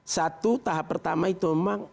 satu tahap pertama itu memang